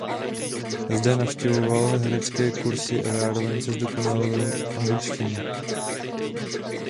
Zde navštěvoval herecké kursy a zároveň se zdokonalil v angličtině.